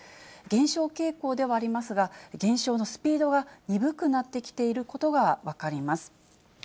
減少傾向ではありますが、減少のスピードが鈍くなってきていることが分かります。